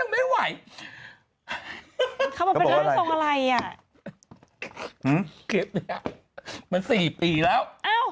มัน๔ปีแล้ว